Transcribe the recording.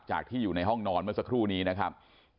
ที่อยู่ในห้องนอนเมื่อสักครู่นี้นะครับ